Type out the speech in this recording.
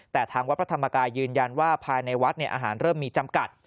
แต่ทางวัดพระธรรมกายยืนยันว่าภายในวัดอาหารเริ่มมีจำกัด